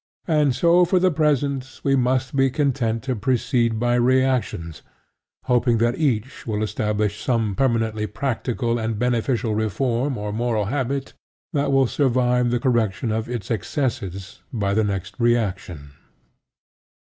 And so for the present we must be content to proceed by reactions, hoping that each will establish some permanently practical and beneficial reform or moral habit that will survive the correction of its excesses by the next reaction.